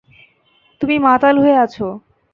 তুমি মাতাল হয়ে আছো।